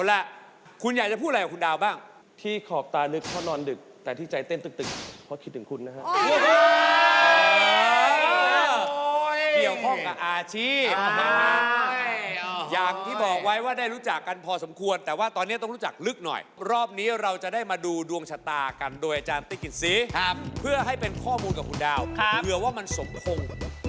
อ๋อเฮ้ยอ้อยเกี่ยวข้องกับอาชีพอ๋ออ้อยอ้อยอยากที่บอกไว้ว่าได้รู้จักกันพอสมควรแต่ว่าตอนเนี้ยต้องรู้จักลึกหน่อยรอบนี้เราจะได้มาดูดวงชะตากันโดยอาจารย์ติ๊กกินซีครับเพื่อให้เป็นข้อมูลกับคุณดาวครับเผื่อว่ามันสมคง